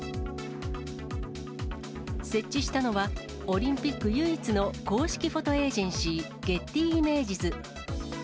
設置したのは、オリンピック唯一の公式フォトエージェンシー、ゲッティイメージズ。